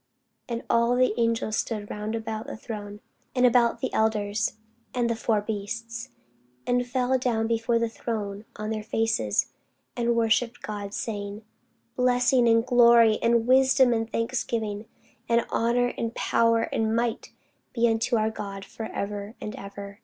And all the angels stood round about the throne, and about the elders and the four beasts, and fell before the throne on their faces, and worshipped God, saying, Blessing, and glory, and wisdom, and thanksgiving, and honour, and power, and might, be unto our God for ever and ever.